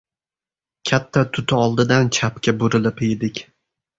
Katta tut oldidan chapga burilib edik.